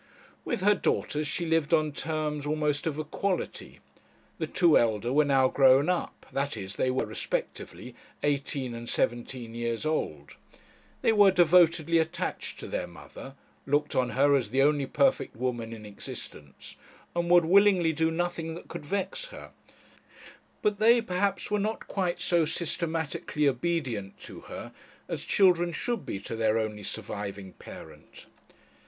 With her daughters she lived on terms almost of equality. The two elder were now grown up; that is, they were respectively eighteen and seventeen years old. They were devotedly attached to their mother, looked on her as the only perfect woman in existence, and would willingly do nothing that could vex her; but they perhaps were not quite so systematically obedient to her as children should be to their only surviving parent.